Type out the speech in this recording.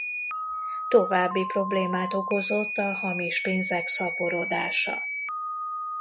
További problémát okozott a hamis pénzek szaporodása.